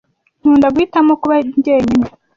Nkunda guhitamo kuba jyenyine.